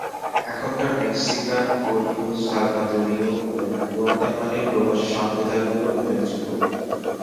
এখানকার মেক্সিকান, কোরীয়, সালভাদোরীয় ও গুয়াতেমালীয় প্রবাসী সম্প্রদায়গুলি উল্লেখযোগ্য।